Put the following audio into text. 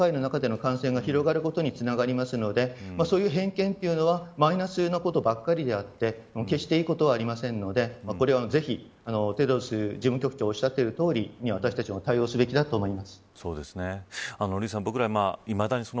それによって、むしろ社会の中での感染が広がることにつながるのでそういう偏見というのはマイナスなことばかりであって決していいことはありませんのでこれは、ぜひテドロス事務局長がおっしゃっているとおり私たちも対応するべきだと思います。